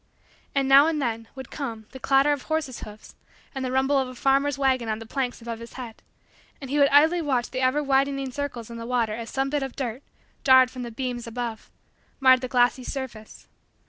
And, now and then, would come, the clatter of horses' hoofs and the rumble of a farmer's wagon on the planks above his head and he would idly watch the ever widening circles in the water as some bit of dirt, jarred from the beams above, marred the glassy surface.